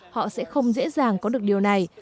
họ sẽ không dễ dàng có được điều này